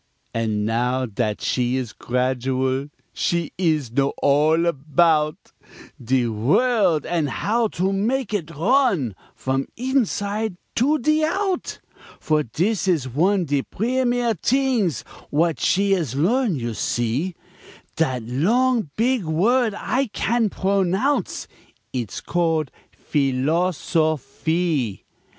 An' now dat she is gradual She ees know all about De world an' how to mak' it run From inside to de out; For dis is one de primere t'ings W'at she is learn, you see, Dat long beeg word I can pronounce, It's call philosophee.